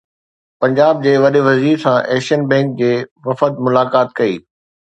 پنجاب جي وڏي وزير سان ايشين بئنڪ جي وفد ملاقات ڪئي